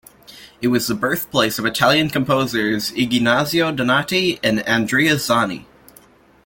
It was the birthplace of Italian composers Ignazio Donati and Andrea Zani.